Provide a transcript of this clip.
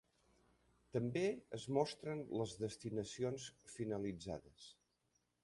També es mostren les destinacions finalitzades.